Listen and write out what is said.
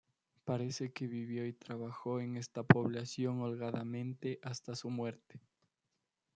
Parece que vivió y trabajó en esta población holgadamente hasta su muerte.